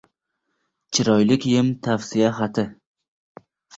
• Chiroyli kiyim — tavsiya xati.